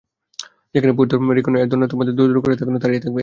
যেখানে Puerto Rican দারোয়ানেরা তোমাদের দূর দূর করে তাড়ানোর জন্য দাঁড়িয়ে থাকবে।